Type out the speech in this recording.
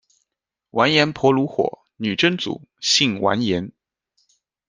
完颜婆卢火，女真族，姓完颜。